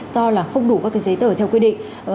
do là không đủ các giấy tờ theo quy định